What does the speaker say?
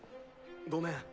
ごめん。